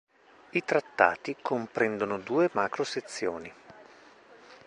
I trattati comprendono due macro sezioni.